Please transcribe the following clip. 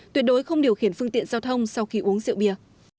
tuyệt đối không điều khiển phương tiện giao thông sau khi uống rượu bia